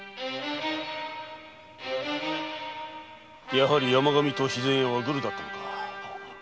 やはり山上と肥前屋はグルだったか。